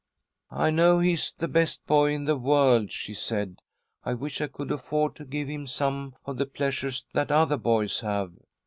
"I know he's the best boy in the world," she said. "I wish I could afford to give him some of the pleasures that other boys have."